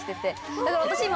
だから私今。